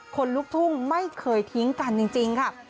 คนลุกทุ่งไม่เคยทิ้งกันจริงค่ะ